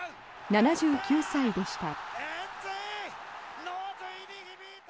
７９歳でした。